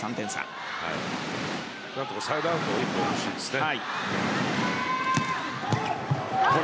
何とかサイドアウトが１本欲しいですね。